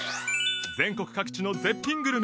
全国各地の絶品グルメや感動